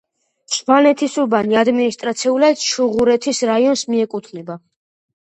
სვანეთისუბანი ადმინისტრაციულად ჩუღურეთის რაიონს მიეკუთვნება.